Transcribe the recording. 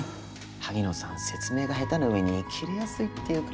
萩野さん説明が下手な上にキレやすいっていうか。